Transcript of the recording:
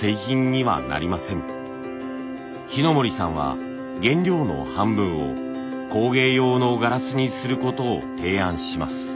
日野森さんは原料の半分を工芸用のガラスにすることを提案します。